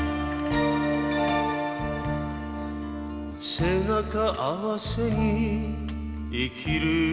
「背中合わせに生きるよりも」